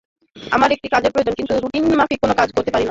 আমার একটি কাজের প্রয়োজন, কিন্তু রুটিন মাফিক কোনো কাজ করতে পারি না।